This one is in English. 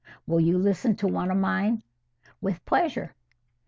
"Will you listen to one of mine?" "With pleasure."